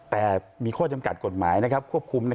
แต่มีข้อจำกัดกฎหมายควบคุม